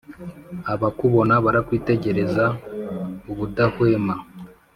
Abakubona barakwitegereza ubudahwema,